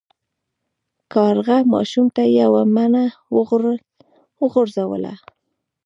کارغه ماشوم ته یوه مڼه وغورځوله.